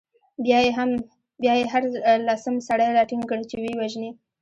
بیا يې هر لسم سړی راټینګ کړ، چې ویې وژني.